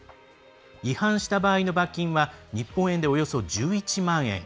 違反した場合の罰金は日本円で、およそ１１万円。